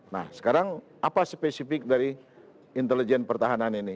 nah sekarang apa spesifik dari intelijen pertahanan ini